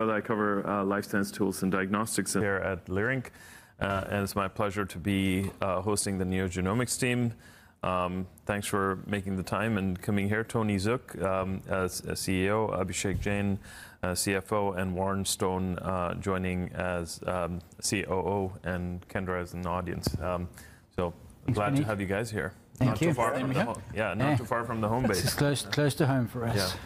I cover life science tools and diagnostics here at Leerink Partners, and it's my pleasure to be hosting the NeoGenomics team. Thanks for making the time and coming here. Tony Zook as CEO. Abhishek Jain CFO, and Warren Stone joining as COO, and Kendra is in the audience. Hi, Puneet to have you guys here. Thank you for having us. Not too far from the home. Yeah. Yeah. Not too far from the home base. This is close to home for us.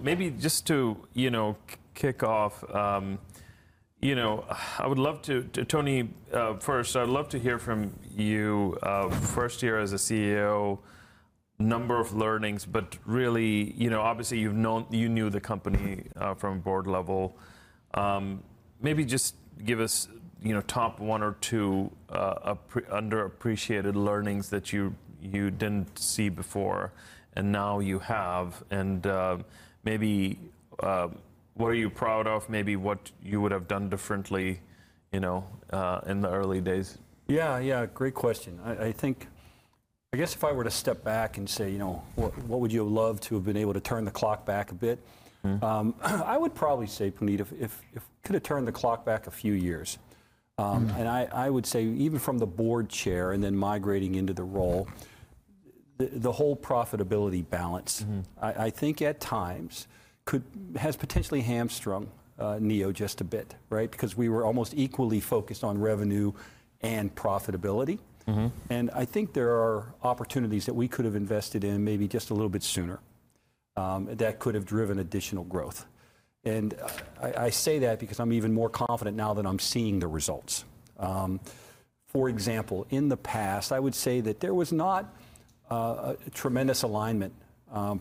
Maybe just to, you know, kick off, you know, I would love to, Tony, first, I would love to hear from you. First year as a CEO, number of learnings, but really, you know, obviously you knew the company from board level. Maybe just give us, you know, top one or two underappreciated learnings that you didn't see before and now you have. Maybe what are you proud of? Maybe what you would have done differently, you know, in the early days? Yeah, yeah. Great question. I think I guess if I were to step back and say, you know, what would you have loved to have been able to turn the clock back a bit? Mm-hmm. I would probably say, Puneet, if we could have turned the clock back a few years, and I would say even from the Board Chair and then migrating into the role, the whole profitability balance. Mm-hmm I think at times has potentially hamstrung Neo just a bit, right? Because we were almost equally focused on revenue and profitability. Mm-hmm. I think there are opportunities that we could have invested in maybe just a little bit sooner, that could have driven additional growth. I say that because I'm even more confident now that I'm seeing the results. For example, in the past, I would say that there was not a tremendous alignment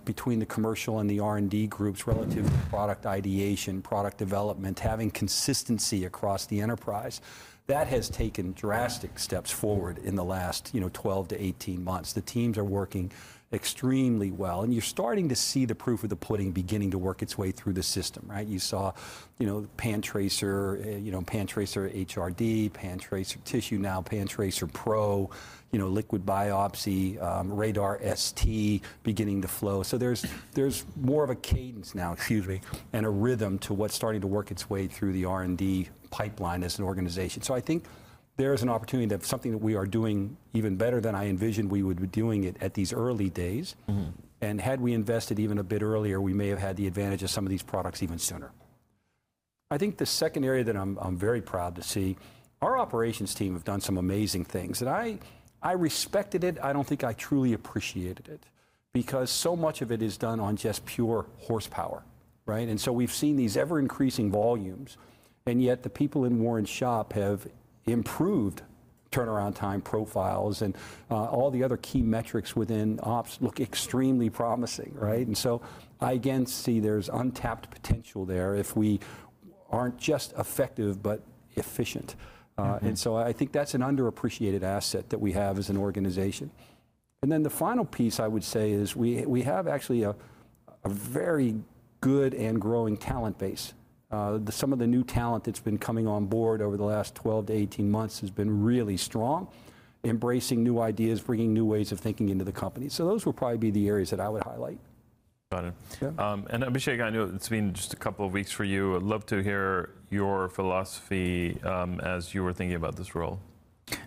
between the commercial and the R&D groups relative to product ideation, product development, having consistency across the enterprise. That has taken drastic steps forward in the last, you know, 12-18 months. The teams are working extremely well, and you're starting to see the proof of the pudding beginning to work its way through the system, right? You saw, you know, PanTracer, you know, PanTracer HRD, PanTracer Tissue, now PanTracer Pro, you know, liquid biopsy, RaDaR ST beginning to flow. There's more of a cadence now, excuse me, and a rhythm to what's starting to work its way through the R&D pipeline as an organization. I think there is an opportunity that something that we are doing even better than I envisioned we would be doing it at these early days. Mm-hmm. Had we invested even a bit earlier, we may have had the advantage of some of these products even sooner. I think the second area that I'm very proud to see, our operations team have done some amazing things, and I respected it. I don't think I truly appreciated it, because so much of it is done on just pure horsepower, right? We've seen these ever-increasing volumes, and yet the people in Warren's shop have improved turnaround time profiles and all the other key metrics within ops look extremely promising, right? I again see there's untapped potential there if we aren't just effective, but efficient. Mm-hmm. I think that's an underappreciated asset that we have as an organization. Then the final piece I would say is we have actually a very good and growing talent base. Some of the new talent that's been coming on board over the last 12-18 months has been really strong, embracing new ideas, bringing new ways of thinking into the company. Those would probably be the areas that I would highlight. Got it. Yeah. Abhishek, I know it's been just a couple of weeks for you. I'd love to hear your philosophy, as you were thinking about this role.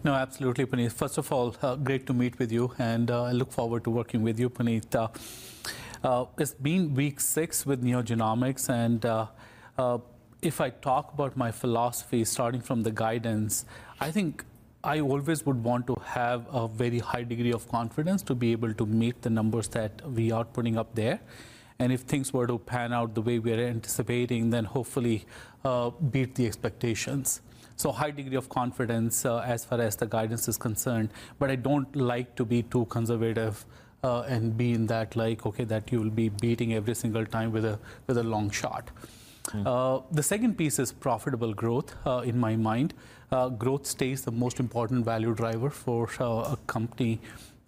No, absolutely, Puneet. First of all, great to meet with you, and I look forward to working with you, Puneet. It's been week six with NeoGenomics, and if I talk about my philosophy starting from the guidance, I think I always would want to have a very high degree of confidence to be able to meet the numbers that we are putting up there, and if things were to pan out the way we are anticipating, then hopefully beat the expectations. So a high degree of confidence as far as the guidance is concerned. But I don't like to be too conservative, and be in that like, okay, that you'll be beating every single time with a long shot. Okay. The second piece is profitable growth. In my mind, growth stays the most important value driver for a company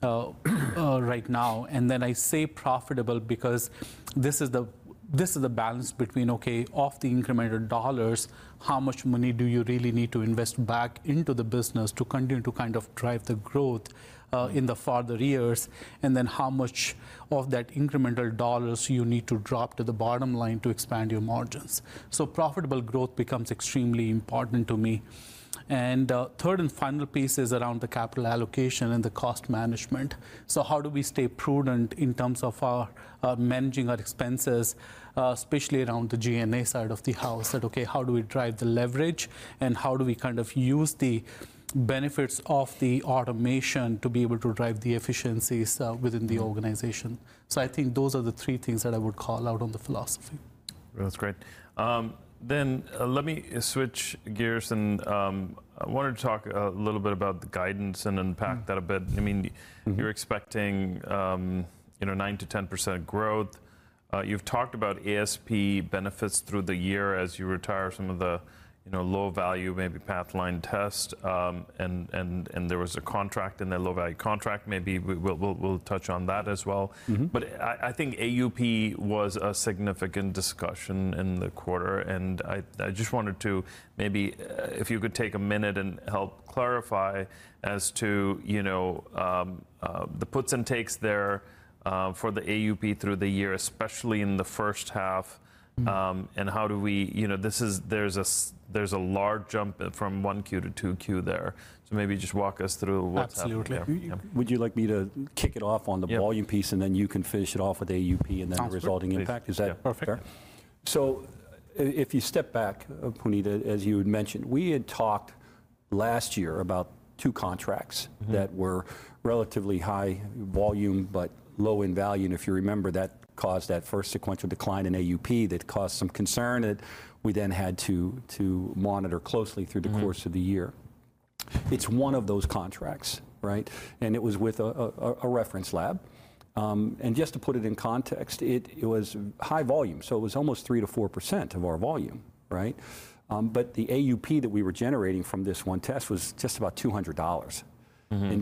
right now. Then I say profitable because this is the balance between, okay, of the incremental dollars, how much money do you really need to invest back into the business to continue to kind of drive the growth in the further years, and then how much of that incremental dollars you need to drop to the bottom line to expand your margins. Profitable growth becomes extremely important to me. Third and final piece is around the capital allocation and the cost management. How do we stay prudent in terms of managing our expenses, especially around the G&A side of the house? How do we drive the leverage, and how do we kind of use the benefits of the automation to be able to drive the efficiencies within the organization? I think those are the three things that I would call out on the philosophy. That's great. Let me switch gears and I wanted to talk a little bit about the guidance and unpack that a bit. I mean. Mm-hmm You're expecting 9%-10% growth. You've talked about ASP benefits through the year as you retire some of the, you know, low-value maybe Pathline tests. There was a contract, and a low-value contract. Maybe we'll touch on that as well. Mm-hmm. I think AUP was a significant discussion in the quarter, and I just wanted to maybe if you could take a minute and help clarify as to, you know, the puts and takes there, for the AUP through the year, especially in the first half. Mm-hmm. How do we. You know, this is. There's a large jump from 1Q to 2Q there. Maybe just walk us through what's happening there. Absolutely. Would you like me to kick it off on the volume piece? Yeah you can finish it off with AUP and then the resulting impact? Absolutely. Please. Yeah. Is that fair? If you step back, Puneet, as you had mentioned, we had talked last year about two contracts. Mm-hmm That were relatively high volume but low in value. If you remember, that caused that first sequential decline in AUP that caused some concern that we then had to monitor closely through the course of the year. Mm-hmm. It's one of those contracts, right? It was with a reference lab. Just to put it in context, it was high volume, so it was almost 3%-4% of our volume, right? But the AUP that we were generating from this one test was just about $200. Mm-hmm.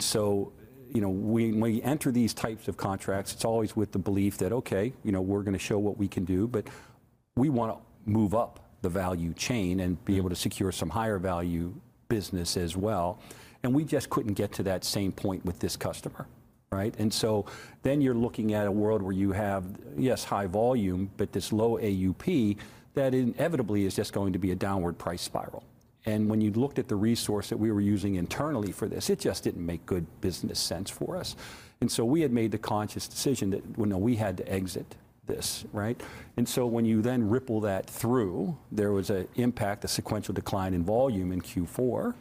You know, when you enter these types of contracts, it's always with the belief that, okay, you know, we're gonna show what we can do, but we wanna move up the value chain and be able to secure some higher value business as well, and we just couldn't get to that same point with this customer, right? You're looking at a world where you have, yes, high volume, but this low AUP that inevitably is just going to be a downward price spiral. When you looked at the resource that we were using internally for this, it just didn't make good business sense for us. We had made the conscious decision that, well, no, we had to exit this, right? When you then ripple that through, there was an impact, a sequential decline in volume in Q4.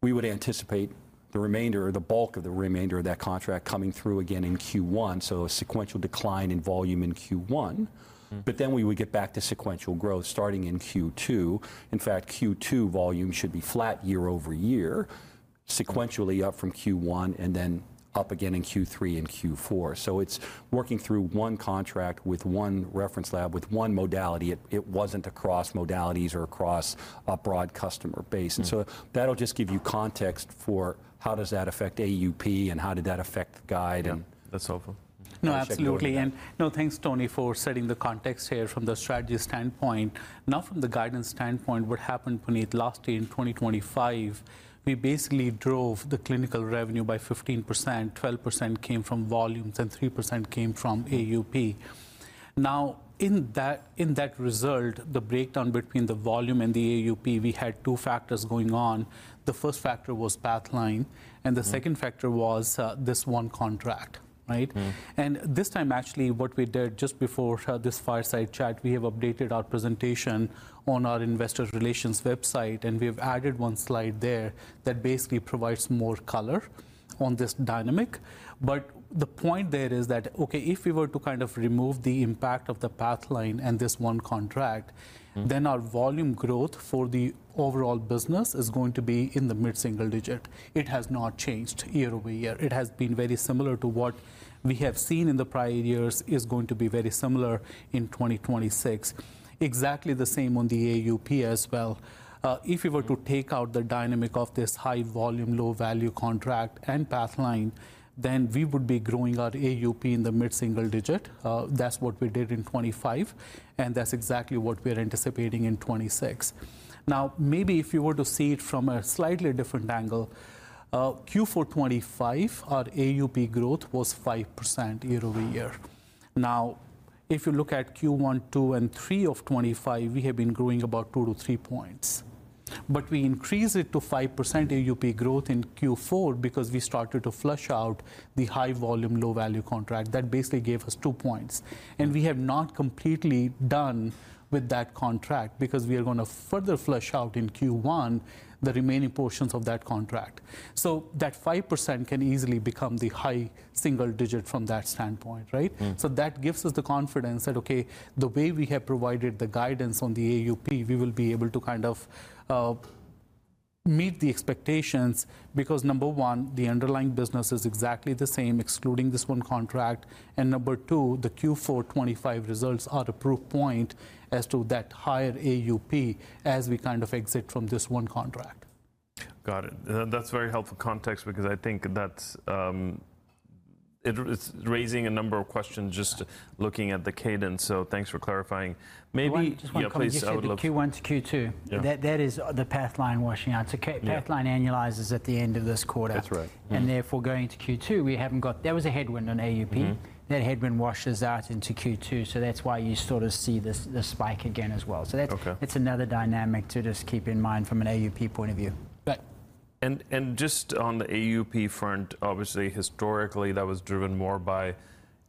We would anticipate the remainder or the bulk of the remainder of that contract coming through again in Q1, so a sequential decline in volume in Q1. Mm-hmm. we would get back to sequential growth starting in Q2. In fact, Q2 volume should be flat year-over-year, sequentially up from Q1, and then up again in Q3 and Q4. it's working through one contract with one reference lab, with one modality. It wasn't across modalities or across a broad customer base. Mm-hmm. That'll just give you context for how does that affect AUP and how did that affect the guide. Yeah. That's helpful. No, absolutely. I'll let you take over now. No, thanks, Tony, for setting the context here from the strategy standpoint. Now from the guidance standpoint, what happened, Puneet, last year in 2025, we basically drove the clinical revenue by 15%. 12% came from volumes, and 3% came from AUP. Now, in that result, the breakdown between the volume and the AUP, we had two factors going on. The first factor was Pathline, and the second factor was this one contract, right? Mm-hmm. This time, actually, what we did just before this fireside chat, we have updated our presentation on our investor relations website, and we have added one slide there that basically provides more color on this dynamic. The point there is that, okay, if we were to kind of remove the impact of the Pathline and this one contract- Mm-hmm Our volume growth for the overall business is going to be in the mid-single-digit. It has not changed year-over-year. It has been very similar to what we have seen in the prior years and is going to be very similar in 2026. Exactly the same on the AUP as well. If we were to take out the dynamic of this high-volume, low-value contract and Pathline, we would be growing our AUP in the mid-single-digit. That's what we did in 2025, and that's exactly what we're anticipating in 2026. Now, maybe if you were to see it from a slightly different angle, Q4 2025, our AUP growth was 5% year-over-year. Now, if you look at Q1, Q2, and Q3 of 2025, we have been growing about two to three points. We increased it to 5% AUP growth in Q4 because we started to flush out the high volume, low value contract. That basically gave us two points. Mm-hmm. We have not completely done with that contract because we are gonna further flesh out in Q1 the remaining portions of that contract. That 5% can easily become the high single digit from that standpoint, right? Mm-hmm. That gives us the confidence that, okay, the way we have provided the guidance on the AUP, we will be able to kind of meet the expectations because, number one, the underlying business is exactly the same, excluding this one contract, and number two, the Q4 2025 results are the proof point as to that higher AUP as we kind of exit from this one contract. Got it. That's very helpful context because I think that's. It's raising a number of questions just looking at the cadence, so thanks for clarifying. Maybe- Just one comment. Yeah, please. You said the Q1 to Q2. Yeah. That is the Pathline washing out. Yeah Pathline annualizes at the end of this quarter. That's right. Yeah. Going to Q2, there was a headwind on AUP. Mm-hmm. That headwind washes out into Q2, so that's why you sort of see this spike again as well. Okay It's another dynamic to just keep in mind from an AUP point of view. Just on the AUP front, obviously historically that was driven more by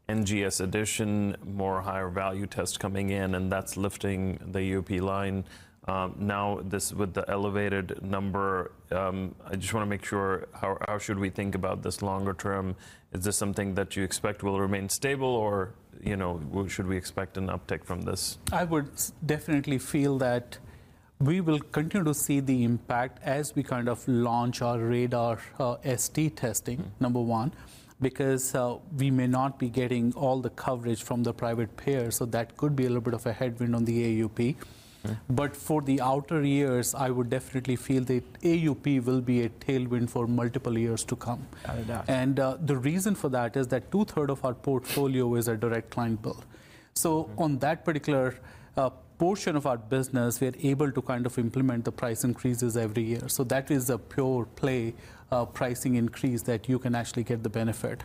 NGS addition, more higher value tests coming in, and that's lifting the AUP line. Now, with this elevated number, I just wanna make sure how should we think about this longer term? Is this something that you expect will remain stable or, you know, should we expect an uptick from this? I would definitely feel that we will continue to see the impact as we kind of launch our RaDaR ST testing. Mm-hmm... number one, because we may not be getting all the coverage from the private payer, so that could be a little bit of a headwind on the AUP. Mm-hmm. For the outer years, I would definitely feel the AUP will be a tailwind for multiple years to come. Got it. Yeah. The reason for that is that two-thirds of our portfolio is our direct client base. Mm-hmm. On that particular portion of our business, we're able to kind of implement the price increases every year. That is a pure play pricing increase that you can actually get the benefit.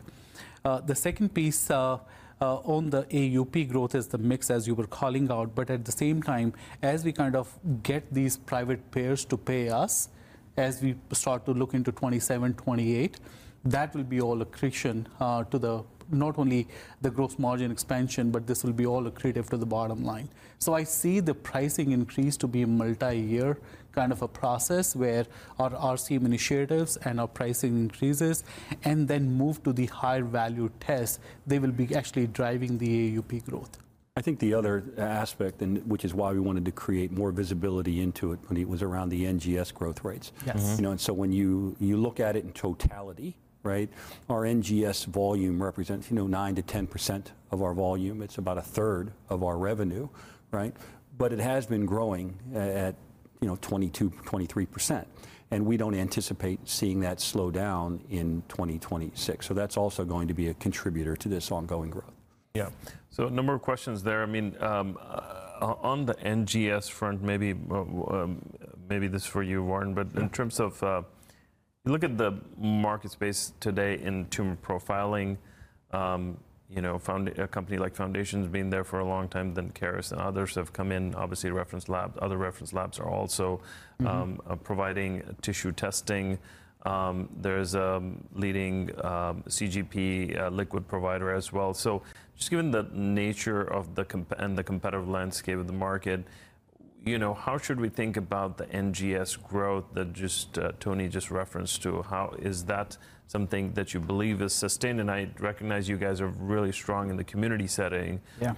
The second piece on the AUP growth is the mix, as you were calling out. At the same time, as we kind of get these private payers to pay us, as we start to look into 2027, 2028, that will be all accretion to not only the growth margin expansion, but this will be all accretive to the bottom line. I see the pricing increase to be a multiyear kind of a process where our RCM initiatives and our pricing increases and then move to the higher value tests, they will be actually driving the AUP growth. I think the other aspect and which is why we wanted to create more visibility into it, Puneet, was around the NGS growth rates. Yes. You know, when you look at it in totality, right? Our NGS volume represents, you know, 9%-10% of our volume. It's about a third of our revenue, right? It has been growing at, you know, 22%-23%, and we don't anticipate seeing that slow down in 2026. That's also going to be a contributor to this ongoing growth. Yeah. A number of questions there. I mean, on the NGS front, maybe this is for you, Warren. Yeah. In terms of, you look at the market space today in tumor profiling, you know, a company like Foundation's been there for a long time, then Caris and others have come in, obviously reference labs. Other reference labs are also Mm-hmm providing tissue testing. There's a leading CGP liquid provider as well. Just given the nature of the competitive landscape of the market, you know, how should we think about the NGS growth that just Tony referenced to? How is that something that you believe is sustained? I recognize you guys are really strong in the community setting- Yeah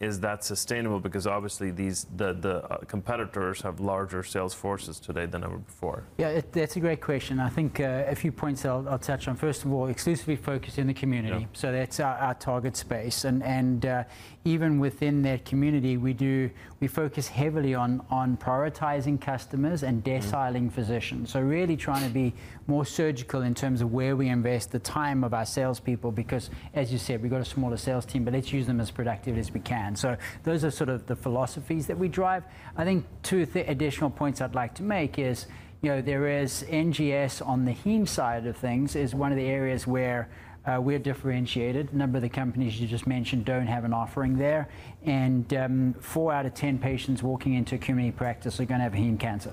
is that sustainable? Because obviously these competitors have larger sales forces today than ever before. Yeah. That's a great question, and I think, a few points I'll touch on. First of all, exclusively focused in the community. Yeah That's our target space. Even within that community, we focus heavily on prioritizing customers and deciling physicians. Really trying to be more surgical in terms of where we invest the time of our salespeople, because as you said, we've got a smaller sales team, but let's use them as productive as we can. Those are sort of the philosophies that we drive. I think two additional points I'd like to make is there is NGS on the heme side of things is one of the areas where we're differentiated. A number of the companies you just mentioned don't have an offering there, and four out of 10 patients walking into a community practice are going to have heme cancer.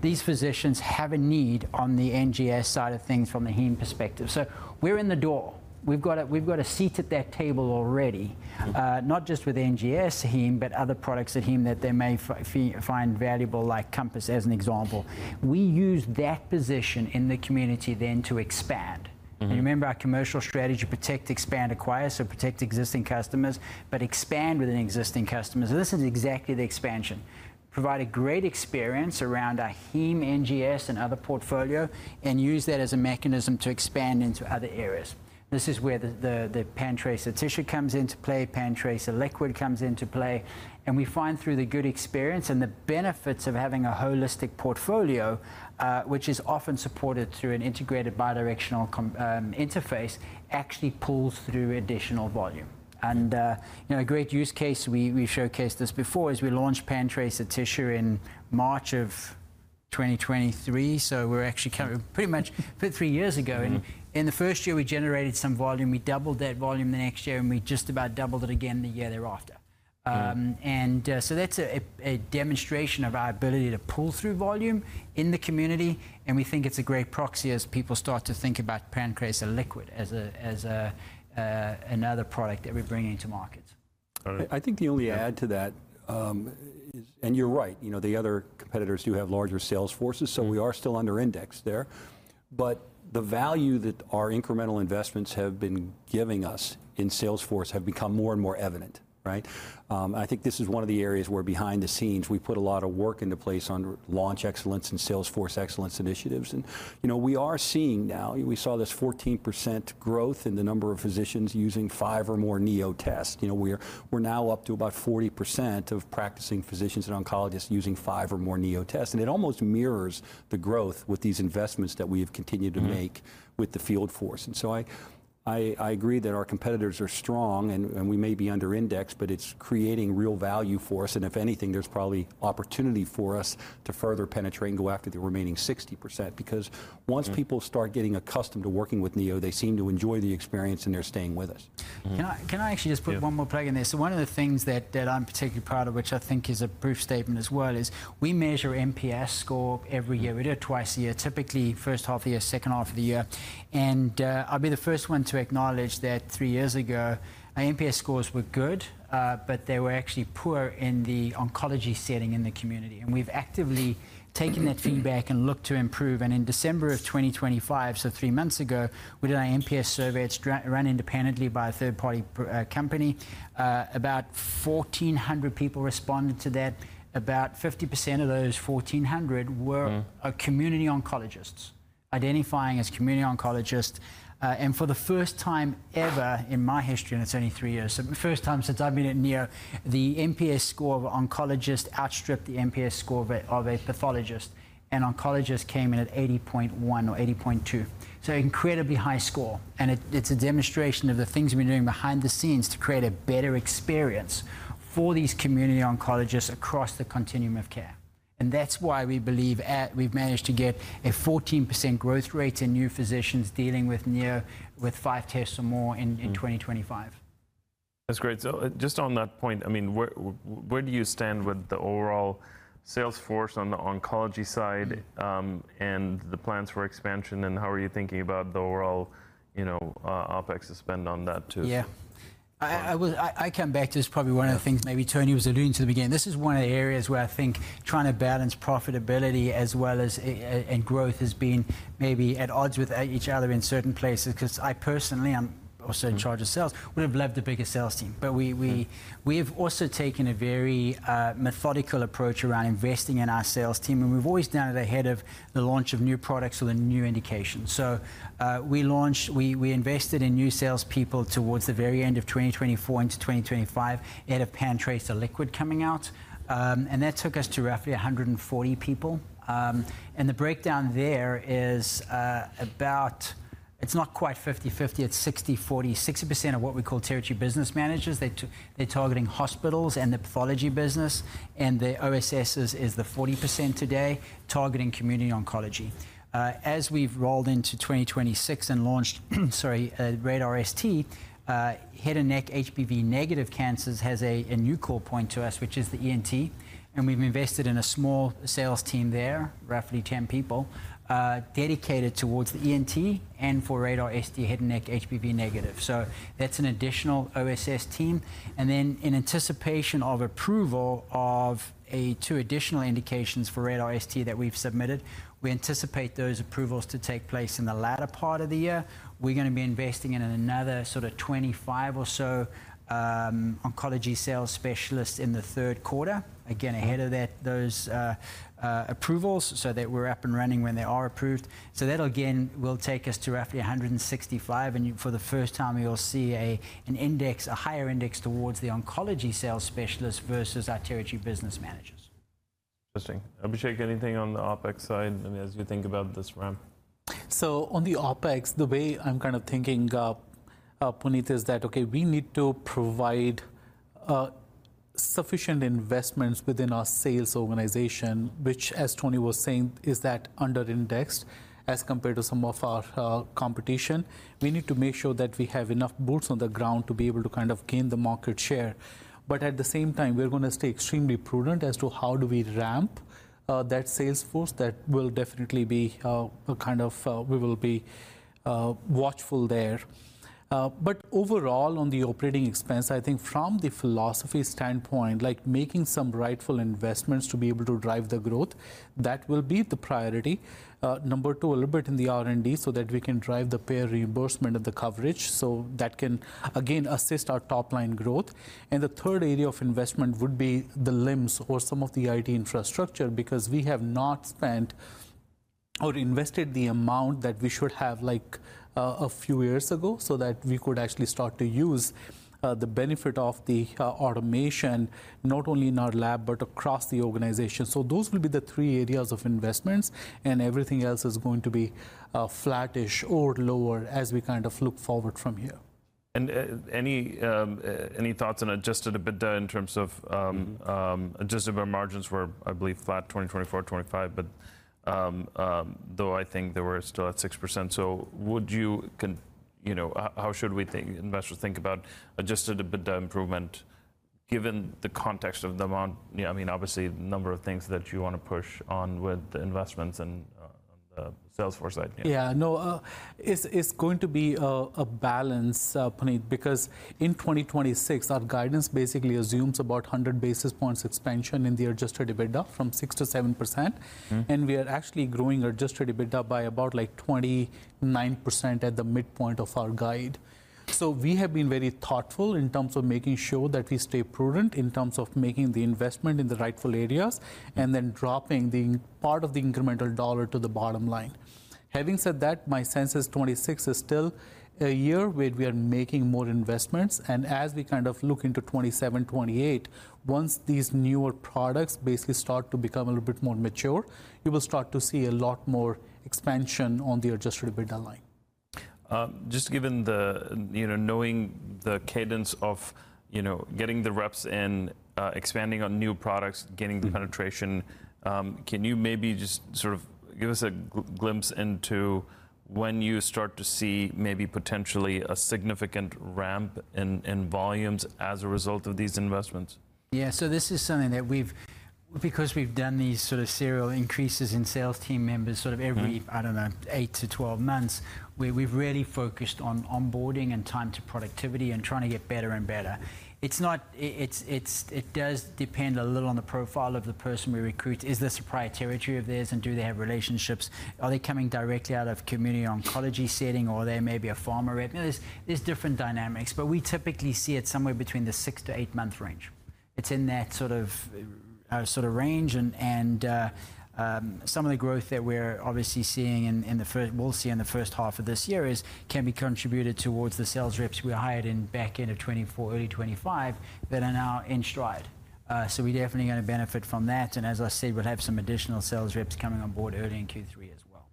These physicians have a need on the NGS side of things from the heme perspective. We're in the door. We've got a seat at that table already, not just with NGS Heme, but other products at Heme that they may find valuable, like COMPASS, as an example. We use that position in the community then to expand. Mm-hmm. You remember our commercial strategy, protect, expand, acquire, so protect existing customers, but expand within existing customers. This is exactly the expansion. Provide a great experience around our Heme NGS and other portfolio, and use that as a mechanism to expand into other areas. This is where the PanTracer Tissue comes into play, PanTracer liquid comes into play. We find through the good experience and the benefits of having a holistic portfolio, which is often supported through an integrated bi-directional interface, actually pulls through additional volume. You know, a great use case we showcased this before is we launched PanTracer Tissue in March of 2023, so we're actually pretty much three years ago. Mm-hmm. In the first year, we generated some volume. We doubled that volume the next year, and we just about doubled it again the year thereafter. That's a demonstration of our ability to pull through volume in the community, and we think it's a great proxy as people start to think about PanTracer liquid as another product that we're bringing to market. All right. I think the only add to that is. You're right, you know, the other competitors do have larger sales forces, so we are still under-indexed there. The value that our incremental investments have been giving us in sales force have become more and more evident, right? I think this is one of the areas where behind the scenes, we've put a lot of work into place on launch excellence and sales force excellence initiatives. You know, we are seeing now, we saw this 14% growth in the number of physicians using five or more Neo tests. You know, we're now up to about 40% of practicing physicians and oncologists using five or more Neo tests. It almost mirrors the growth with these investments that we have continued to make. Mm-hmm with the field force. I agree that our competitors are strong and we may be under indexed, but it's creating real value for us. If anything, there's probably opportunity for us to further penetrate and go after the remaining 60%. Because once people start getting accustomed to working with Neo, they seem to enjoy the experience, and they're staying with us. Can I actually just put one more plug in there? Yeah. One of the things that I'm particularly proud of, which I think is a proof statement as well, is we measure NPS score every year. We do it twice a year, typically first half of the year, second half of the year. I'll be the first one to acknowledge that three years ago, our NPS scores were good, but they were actually poor in the oncology setting in the community. We've actively taken that feedback and looked to improve. In December of 2025, so three months ago, we did our NPS survey. It's run independently by a third-party company. About 1,400 people responded to that. About 50% of those 1,400 were- Mm Community oncologists, identifying as community oncologists. For the first time ever in my history, and it's only three years, so the first time since I've been at Neo, the NPS score of oncologist outstripped the NPS score of a pathologist. An oncologist came in at 80.1 or 80.2. An incredibly high score, and it's a demonstration of the things we've been doing behind the scenes to create a better experience for these community oncologists across the continuum of care. That's why we believe that we've managed to get a 14% growth rate in new physicians dealing with Neo with five tests or more in 2025. That's great. Just on that point, I mean, where do you stand with the overall sales force on the oncology side, and the plans for expansion and how are you thinking about the overall, you know, OPEX spend on that too? Yeah. I come back to this, probably one of the things maybe Tony was alluding to at the beginning. This is one of the areas where I think trying to balance profitability as well as and growth is being maybe at odds with each other in certain places, 'cause I personally, I'm also in charge of sales, would have loved a bigger sales team. We have also taken a very methodical approach around investing in our sales team, and we've always done it ahead of the launch of new products or the new indications. We invested in new sales people towards the very end of 2024 into 2025. We had a PanTracer liquid coming out. And that took us to roughly 140 people. The breakdown there is about. It's not quite 50-50, it's 60-40. 60% are what we call territory business managers. They're targeting hospitals and the pathology business. The OSSs is the 40% today, targeting community oncology. As we've rolled into 2026 and launched RaDaR ST, head and neck HPV negative cancers has a new core point to us, which is the ENT, and we've invested in a small sales team there, roughly 10 people, dedicated towards the ENT and for RaDaR ST head and neck HPV negative. That's an additional OSS team. Then in anticipation of approval of two additional indications for RaDaR ST that we've submitted, we anticipate those approvals to take place in the latter part of the year. We're gonna be investing in another sort of 25 or so oncology sales specialists in the third quarter. Again, ahead of those approvals, so that we're up and running when they are approved. That again will take us to roughly 165, and for the first time you'll see a higher index towards the Oncology Sales Specialists versus our Territory Business Managers. Interesting. Abhishek, anything on the OPEX side, I mean, as you think about this ramp? On the OpEx, the way I'm kind of thinking, Puneet, is that, okay, we need to provide sufficient investments within our sales organization, which as Tony was saying, is that under-indexed as compared to some of our competition. We need to make sure that we have enough boots on the ground to be able to kind of gain the market share. At the same time, we're gonna stay extremely prudent as to how do we ramp that sales force. That will definitely be a kind of. We will be watchful there. Overall, on the operating expense, I think from the philosophy standpoint, like making some rightful investments to be able to drive the growth, that will be the priority. Number two, a little bit in the R&D so that we can drive the payer reimbursement of the coverage, so that can again assist our top line growth. The third area of investment would be the LIMS or some of the IT infrastructure, because we have not spent or invested the amount that we should have, like, a few years ago, so that we could actually start to use the benefit of the automation, not only in our lab, but across the organization. Those will be the three areas of investments, and everything else is going to be flattish or lower as we kind of look forward from here. Any thoughts on Adjusted EBITDA in terms of? Mm-hmm. Adjusted EBITDA margins were, I believe, flat in 2024, 2025. Though I think they were still at 6%. You know, how should we think, investors think about Adjusted EBITDA improvement given the context of the amount? You know, I mean, obviously a number of things that you wanna push on with the investments and on the sales force side. Yeah. Yeah. No. It's going to be a balance, Puneet, because in 2026, our guidance basically assumes about 100 basis points expansion in the Adjusted EBITDA from 6%-7%. Mm-hmm. We are actually growing Adjusted EBITDA by about, like, 29% at the midpoint of our guide. We have been very thoughtful in terms of making sure that we stay prudent in terms of making the investment in the rightful areas, and then dropping the part of the incremental dollar to the bottom line. Having said that, my sense is 2026 is still a year where we are making more investments. As we kind of look into 2027, 2028, once these newer products basically start to become a little bit more mature, you will start to see a lot more expansion on the Adjusted EBITDA line. Just given the, you know, knowing the cadence of, you know, getting the reps and expanding on new products. Mm-hmm. getting the penetration, can you maybe just sort of give us a glimpse into when you start to see maybe potentially a significant ramp in volumes as a result of these investments? We've done these sort of serial increases in sales team members sort of every- Mm-hmm. I don't know, eight to 12 months, we've really focused on onboarding and time to productivity and trying to get better and better. It's not. It does depend a little on the profile of the person we recruit. Is this the prior territory of theirs, and do they have relationships? Are they coming directly out of community oncology setting or they may be a pharma rep? You know, there's different dynamics, but we typically see it somewhere between the six to eight month range. It's in that sort of range. Some of the growth that we're obviously seeing in the first half of this year can be contributed towards the sales reps we hired in back end of 2024, early 2025 that are now in stride. We're definitely gonna benefit from that, and as I said, we'll have some additional sales reps coming on board early in Q3 as well.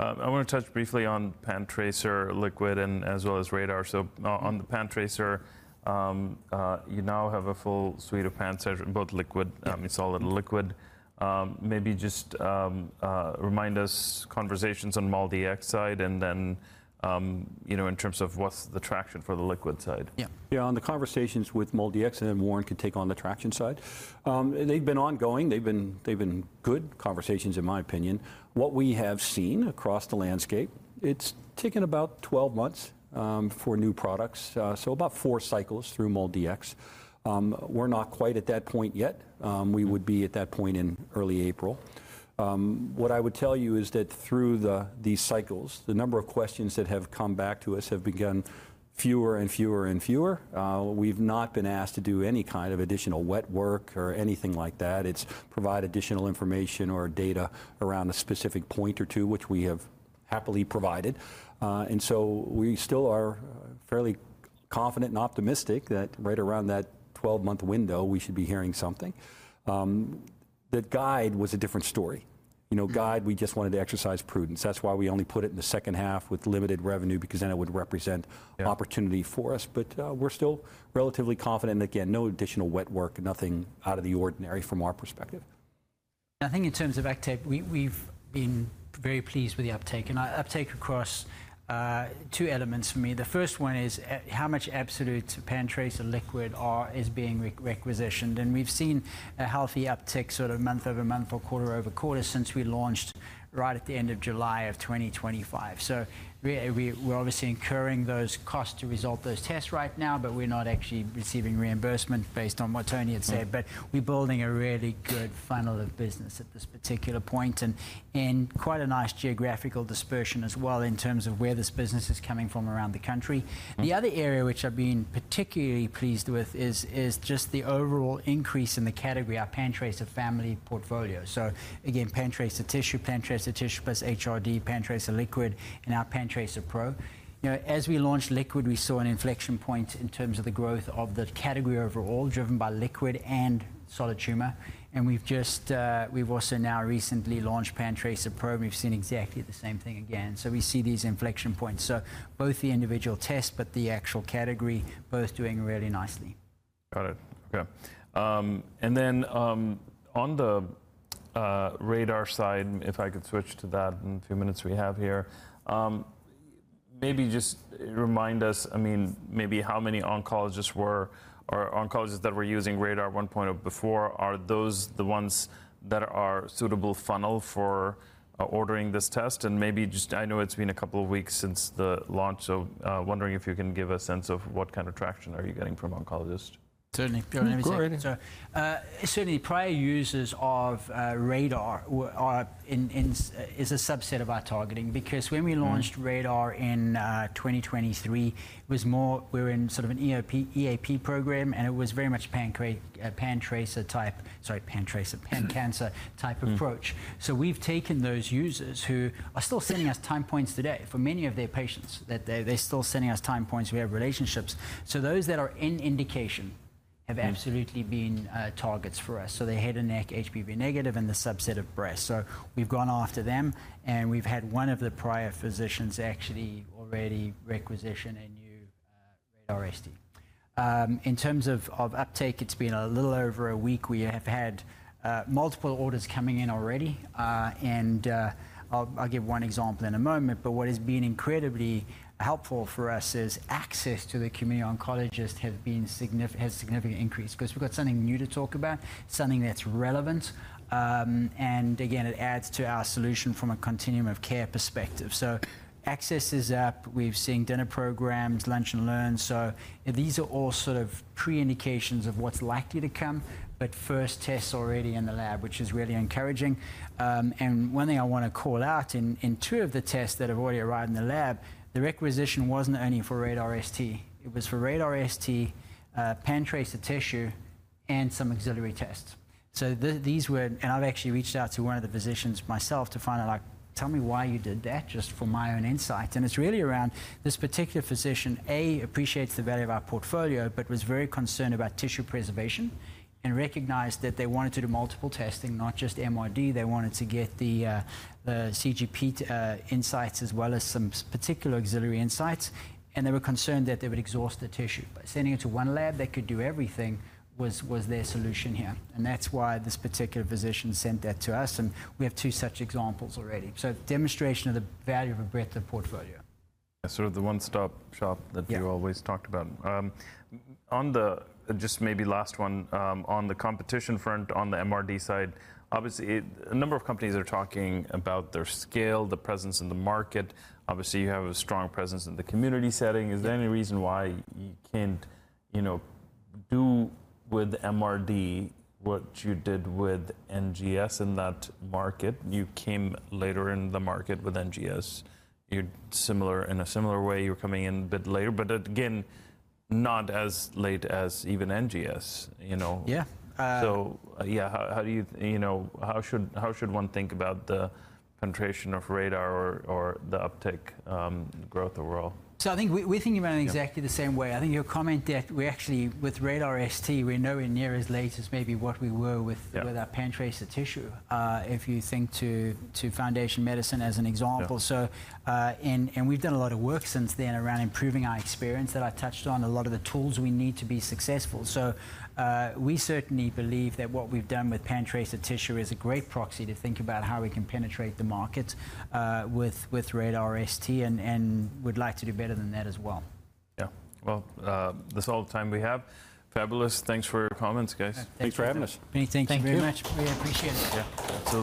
I wanna touch briefly on PanTracer liquid and as well as RaDaR. On the PanTracer, you now have a full suite of PanTracer, both liquid, solid and liquid. Maybe just remind us conversations on MolDX side and then, you know, in terms of what's the traction for the liquid side? Yeah. Yeah. On the conversations with MolDX, and then Warren can take on the traction side. They've been ongoing. They've been good conversations in my opinion. What we have seen across the landscape, it's taken about 12 months for new products, so about four cycles through MolDX. We're not quite at that point yet. We would be at that point in early April. What I would tell you is that through the cycles, the number of questions that have come back to us have become fewer and fewer. We've not been asked to do any kind of additional wet work or anything like that. It's provide additional information or data around a specific point or two, which we have happily provided. We still are fairly confident and optimistic that right around that 12-month window, we should be hearing something. The guidance was a different story. You know, Mm-hmm. We just wanted to exercise prudence. That's why we only put it in the second half with limited revenue because then it would represent- Yeah opportunity for us. We're still relatively confident. Again, no additional wet work, nothing out of the ordinary from our perspective. I think in terms of uptake, we've been very pleased with the uptake. Uptake across two elements for me. The first one is how much absolute PanTracer liquid is being requisitioned. We've seen a healthy uptick sort of month-over-month or quarter-over-quarter since we launched right at the end of July of 2025. We're obviously incurring those costs to result those tests right now, but we're not actually receiving reimbursement based on what Tony had said. Mm. We're building a really good funnel of business at this particular point and quite a nice geographical dispersion as well in terms of where this business is coming from around the country. Mm. The other area which I've been particularly pleased with is just the overall increase in the category, our PanTracer family portfolio. Again, PanTracer Tissue, PanTracer Tissue + HRD, PanTracer Liquid, and our PanTracer Pro. You know, as we launched liquid, we saw an inflection point in terms of the growth of the category overall, driven by liquid and solid tumor. We've just, we've also now recently launched PanTracer Pro, and we've seen exactly the same thing again. We see these inflection points. Both the individual test, but the actual category both doing really nicely. Got it. Okay. On the RaDaR side, if I could switch to that in the few minutes we have here. Maybe just remind us, I mean, maybe how many oncologists were or oncologists that were using RaDaR 1.0 or before, are those the ones that are suitable funnel for ordering this test? Maybe just, I know it's been a couple of weeks since the launch, so, wondering if you can give a sense of what kind of traction are you getting from oncologists. Certainly. Go ahead. Go ahead. I'm sorry. Certainly prior users of RaDaR were, and is a subset of our targeting because when we launched RaDaR in 2023, it was more we're in sort of an EAP program and it was very much a PanTracer pan-cancer type approach. Mm. We've taken those users who are still sending us time points today for many of their patients, that they're still sending us time points. We have relationships. Those that are in indication have absolutely been targets for us. They head and neck HPV negative and the subset of breast. We've gone after them and we've had one of the prior physicians actually already requisition a new RaDaR ST. In terms of uptake, it's been a little over a week. We have had multiple orders coming in already. I'll give one example in a moment, but what has been incredibly helpful for us is access to the community oncologists has significantly increased, 'cause we've got something new to talk about, something that's relevant. Again, it adds to our solution from a continuum of care perspective. Access is up. We've seen dinner programs, lunch and learns. These are all sort of pre-indications of what's likely to come. First tests already in the lab, which is really encouraging. One thing I want to call out in two of the tests that have already arrived in the lab, the requisition wasn't only for RaDaR ST, it was for RaDaR ST, PanTracer Tissue, and some auxiliary tests. These were. I've actually reached out to one of the physicians myself to find out like, "Tell me why you did that," just for my own insight. It's really around this particular physician, A, appreciates the value of our portfolio, but was very concerned about tissue preservation and recognized that they wanted to do multiple testing, not just MRD. They wanted to get the CGP insights as well as some particular auxiliary insights. They were concerned that they would exhaust the tissue. By sending it to one lab that could do everything was their solution here. That's why this particular physician sent that to us. We have two such examples already. Demonstration of the value of a breadth of portfolio. Yeah, sort of the one-stop shop that Yeah -you always talked about. On the just maybe last one, on the competition front, on the MRD side, obviously a number of companies are talking about their scale, the presence in the market. Obviously, you have a strong presence in the community setting. Yeah. Is there any reason why you can't, you know, do with MRD what you did with NGS in that market? You came later in the market with NGS. You're similar, in a similar way you're coming in a bit later, but again, not as late as even NGS, you know? Yeah. Yeah, how do you know, how should one think about the penetration of RaDaR or the uptake, growth overall? I think we're thinking about it in exactly the same way. I think your comment that we actually, with RaDaR ST, we're nowhere near as late as maybe what we were with Yeah ...with our PanTracer Tissue, if you think to Foundation Medicine as an example. Yeah. We've done a lot of work since then around improving our experience that I touched on, a lot of the tools we need to be successful. We certainly believe that what we've done with PanTracer Tissue is a great proxy to think about how we can penetrate the market with RaDaR ST, and we'd like to do better than that as well. Yeah. Well, that's all the time we have. Fabulous. Thanks for your comments, guys. Thanks for having us. Okay. Thank you. Yeah. Many thanks. Thank you very much. We appreciate it. Yeah.